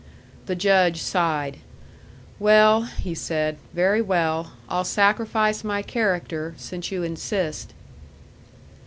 The Judge sighed. "Well," he said, "very well. I'll sacrifice my character, since you insist."